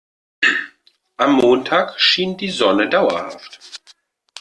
Am Montag schien die Sonne dauerhaft.